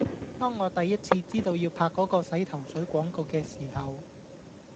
當我第一次知道要拍嗰個洗頭水廣告嘅時候